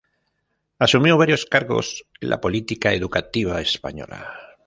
Asumió varios cargos en la política educativa española.